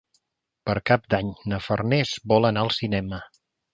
Per Cap d'Any na Farners vol anar al cinema.